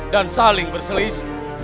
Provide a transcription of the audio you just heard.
dan saling berselis